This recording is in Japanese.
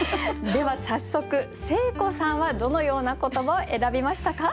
では早速誠子さんはどのような言葉を選びましたか？